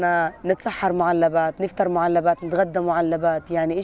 dan kalian mungkin melihatnya